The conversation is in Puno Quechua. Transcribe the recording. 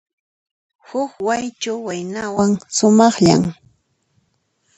Huk Waychu waynawan, sumaqllan.